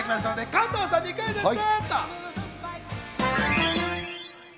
加藤さんにクイズッス！